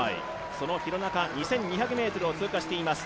その廣中、２２００ｍを通過しています。